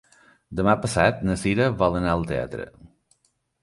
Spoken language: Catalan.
Demà passat na Sira vol anar al teatre.